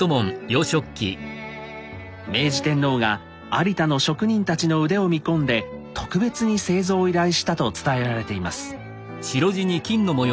明治天皇が有田の職人たちの腕を見込んで特別に製造を依頼したと伝えられています。